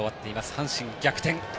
阪神、逆転。